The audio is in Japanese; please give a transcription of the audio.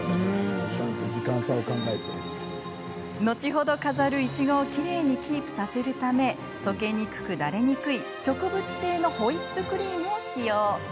後ほど飾るいちごをきれいにキープさせるため溶けにくく、ダレにくい植物性のホイップクリームを使用。